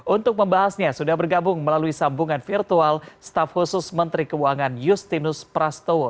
untuk membahasnya sudah bergabung melalui sambungan virtual staf khusus menteri keuangan justinus prastowo